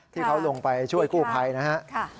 ที่เขาลงไปช่วยกู้ไพรนะฮะ